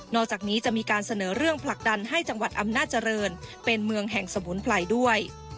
อกจากนี้จะมีการเสนอเรื่องผลักดันให้จังหวัดอำนาจริงเป็นเมืองแห่งสมุนไพรด้วย